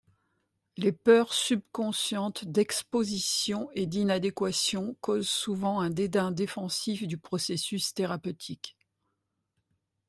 Les peurs subconscientes d'exposition et d'inadéquation causent souvent un dédain défensif du processus thérapeutique.